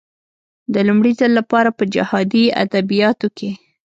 د لومړي ځل لپاره په جهادي ادبياتو کې.